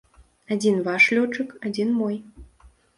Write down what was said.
Адзін ваш лётчык, адзін мой.